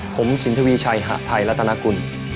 ผมสินทวีชัยหะไทยรัฐนากุล